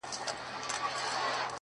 • گرانه په دغه سي حشر كي جــادو ـ